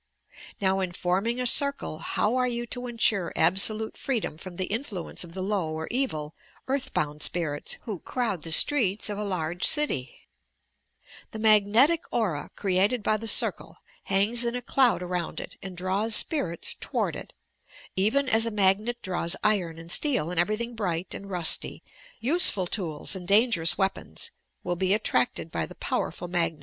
Now in forming a circle bow are you to ^H insure absolute freedom from the influence of the low ^m or evil, earthbound spirits, who crowd the streets of a ^M large city I The magnetic aura, created by the circle, ^H hangs in a cloud around it, and draws spirits toward ^H it, even as a magnet draws iron and steel and everything ^H bright and rusty — useful tools and dangerous weapons — ^H will be attracted by the powerful magnet."